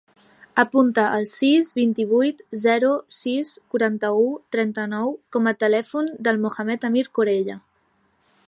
Apunta el sis, vint-i-vuit, zero, sis, quaranta-u, trenta-nou com a telèfon del Mohamed amir Corella.